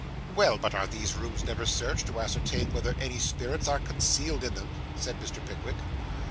'Well, but are these rooms never searched to ascertain whether any spirits are concealed in them?' said Mr. Pickwick.